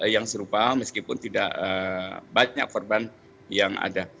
yang serupa meskipun tidak banyak korban yang ada